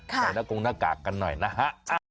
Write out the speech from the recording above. ใส่หน้ากงหน้ากากกันหน่อยนะฮะ